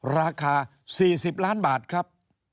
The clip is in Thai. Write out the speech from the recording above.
ราคา๔๐ล้านบาทครับ